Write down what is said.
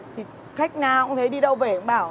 thì khách nào cũng thấy đi đâu về cũng bảo